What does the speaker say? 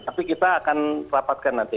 tapi kita akan rapatkan nanti